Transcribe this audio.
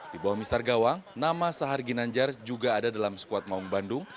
di bawah mister gawang nama sahar ginanjar juga ada dalam skuad maung bandung